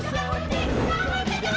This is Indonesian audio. kamu jangan melu diri